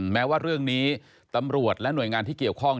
แม้ว่าเรื่องนี้ตำรวจและหน่วยงานที่เกี่ยวข้อง